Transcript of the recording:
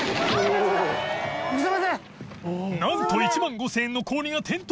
祺燭１万５０００円の氷が転倒！